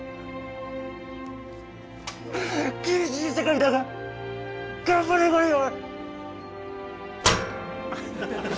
厳しい世界だが頑張れゴリ丸！